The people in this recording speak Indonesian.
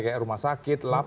kayak rumah sakit lapangan